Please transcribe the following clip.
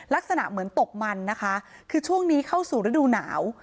ลักษณะเหมือนตกมันนะคะคือช่วงนี้เข้าสู่ฤดูหนาว